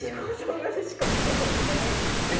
肖像画でしか見たことがないですけどね。